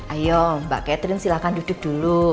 ayo mbak catherine silahkan duduk dulu